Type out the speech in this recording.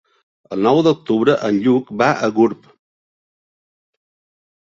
El nou d'octubre en Lluc va a Gurb.